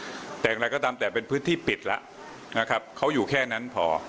แต่อย่างไรก็ตามแต่เป็นพื้นที่ปิดแล้วนะครับเขาอยู่แค่นั้นพอ